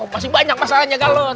masih banyak masalahnya galon